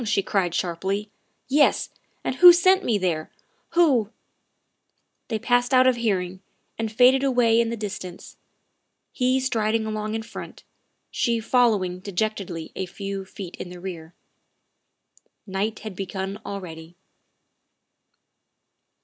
she cried sharply; " yes, and who sent me there, who " They passed out of hearing and faded away in the distance, he striding along in front, she following de jectedly a few feet in the rear. Night had begun already.